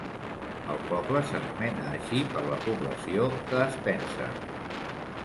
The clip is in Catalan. El poble s'anomena així per la població de Spencer.